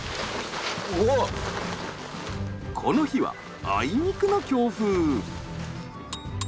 この日はあいにくの強風。